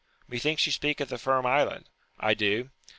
— Methinks you speak of the Finn Island ?— I do.